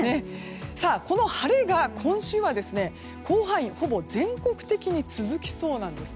この晴れが今週は広範囲ほぼ全国的に続きそうです。